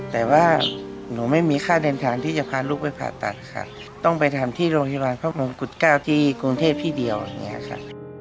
แต่ว่าหนูไม่มีค่าเดินทางที่จะพาลูกไปผ่าตัดค่ะต้องไปทำที่โรงพยาบาลพระมงกุฎเก้าที่กรุงเทพที่เดียวอย่างนี้ค่ะ